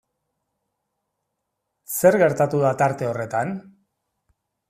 Zer gertatu da tarte horretan?